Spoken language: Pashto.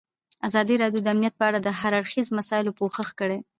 ازادي راډیو د امنیت په اړه د هر اړخیزو مسایلو پوښښ کړی.